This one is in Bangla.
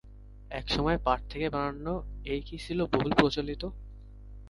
একসময় পাট থেকে বানানো এই কি ছিলো বহুল প্রচলিত?